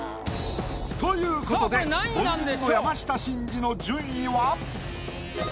ということで凡人の山下真司の順位は。